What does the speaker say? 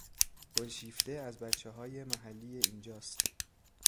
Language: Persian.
گلشیفته از بچههای محلی اینجاست